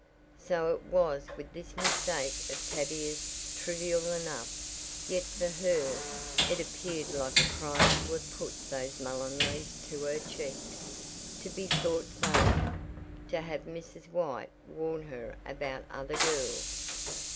So it was with this mistake of Tavia's, trivial enough, yet for her it appeared like a crime to have put those mullen leaves to her cheeks; to be thought vain; to have Mrs. White warn her about other girls!